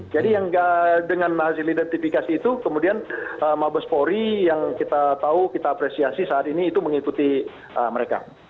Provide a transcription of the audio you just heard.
jadi dengan menghidolasi itu kemudian mabespori yang kita tahu kita apresiasi saat ini itu mengikuti mereka